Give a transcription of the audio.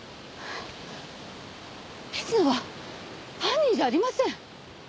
水野は犯人じゃありません！